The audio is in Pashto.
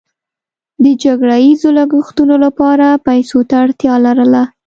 د جګړه ییزو لګښتونو لپاره پیسو ته اړتیا لرله.